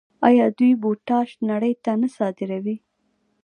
آیا دوی پوټاش نړۍ ته نه صادروي؟